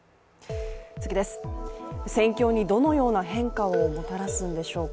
戦況にどのような変化をもたらすんでしょうか。